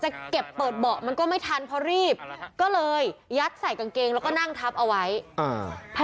จะเก็บเปิดเบาะมันก็ไม่ทันเพราะรีบก็เลยยัดใส่กางเกงแล้วก็นั่งทับเอาไว้อ่า